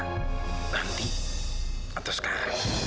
nanti atau sekarang